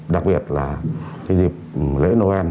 đặc biệt là dịp lễ noel